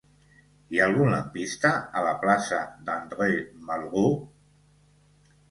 Hi ha algun lampista a la plaça d'André Malraux?